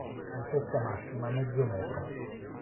Altezza massima mezzo metro.